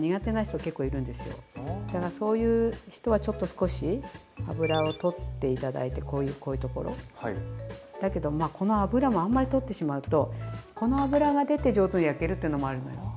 そういう人は少し脂を取って頂いてこういうところ。だけどこの脂もあんまり取ってしまうとこの脂が出て上手に焼けるっていうのもあるのよ。